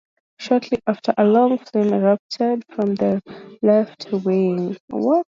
Shortly after, a long flame erupted from the left wing.